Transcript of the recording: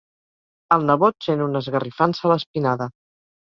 El nebot sent una esgarrifança a l'espinada.